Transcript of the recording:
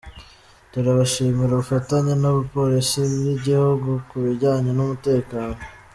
Turabashimira ubufatanye na Polisi y’Igihugu ku bijyanye n’umutekano.